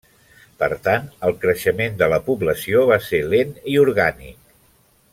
Per tant, el creixement de la població va ser lent i orgànic.